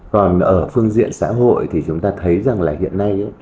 còn ở phương diện xã hội thì chúng ta thấy rằng là hiện nay